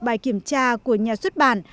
bài kiểm tra của nhà xuất bản